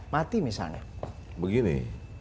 mati misalnya begini